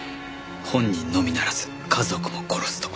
本人のみならず家族も殺すと。